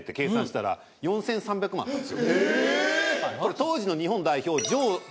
当時の日本代表城の。